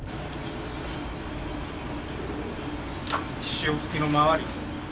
潮吹きの周り。